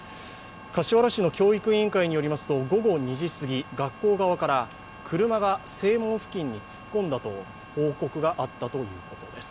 柏原市の教育委員会によりますと午後２時すぎ、学校側から車が正門付近に突っ込んだと報告があったということです。